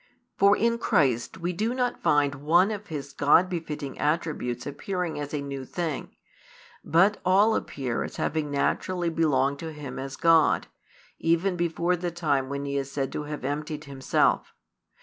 |211 For in Christ we do not find one of His God befitting attributes appearing as a new thing, but all appear as having naturally belonged to Him as God, even before the time when He is said to have emptied Himself.